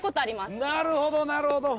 なるほどなるほど。